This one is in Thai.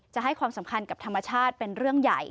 จะให้ความสำคัญกับธรรมชาติเป็นเรื่องใหญ่